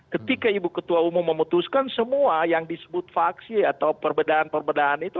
ketika ibu ketua umum memutuskan semua yang disebut faksi atau perbedaan perbedaan itu